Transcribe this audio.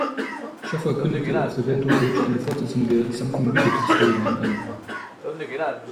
Schaffer kündigte auf der Band-Homepage eine Fortsetzung der "Something-Wicked"-Storyline an.